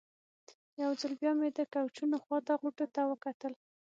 یو ځل بیا مې د کوچونو خوا ته غوټو ته وکتل.